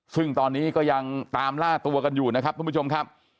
ซึ่งตอนนี้ก็ยังตามล่าตัวกันอยู่นะครับทุกผู้ชมครับ